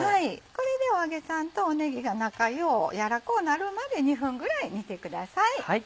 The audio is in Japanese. これでお揚げさんとねぎが仲良う軟らこうなるまで２分ぐらい煮てください。